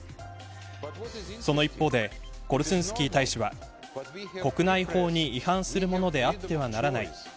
その一方でコルスンスキー大使は国内法に違反するものであってはならない。